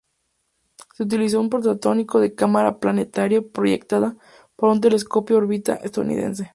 Se utilizó un prototipo de cámara planetaria proyectada para un telescopio orbital estadounidense.